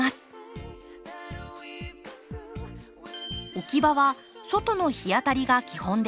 置き場は外の日当たりが基本です。